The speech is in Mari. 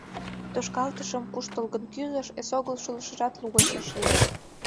Тошкалтышым куштылгын кӱзыш, эсогыл шӱлышыжат лугыч ыш лий.